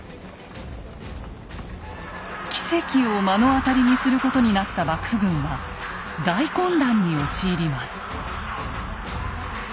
奇跡を目の当たりにすることになった幕府軍は大混乱に陥ります。